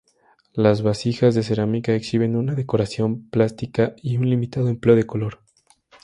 Las vasijas de cerámica exhiben una decoración plástica y un limitado empleo del color.